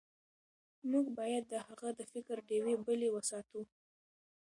موږ باید د هغه د فکر ډیوې بلې وساتو.